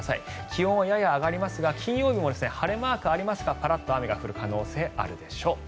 気温はやや上がりますが金曜日も晴れマークがありますがパラッと雨が降る可能性があるでしょう。